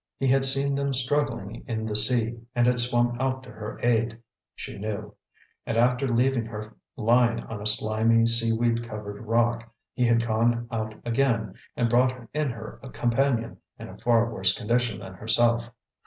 He had seen them struggling in the sea, and had swum out to her aid, she knew; and after leaving her lying on a slimy, seaweed covered rock, he had gone out again and brought in her companion in a far worse condition than herself.